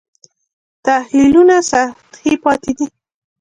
تحلیلونه سطحي پاتې دي.